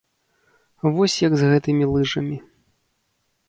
Вось як з гэтымі лыжамі.